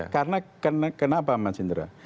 karena kenapa mas indra